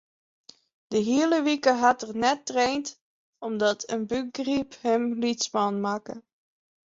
De hiele wike hat er net traind omdat in bûkgryp him lytsman makke.